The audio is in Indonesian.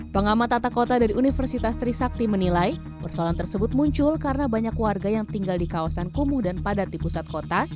pengamat tata kota dari universitas trisakti menilai persoalan tersebut muncul karena banyak warga yang tinggal di kawasan kumuh dan padat di pusat kota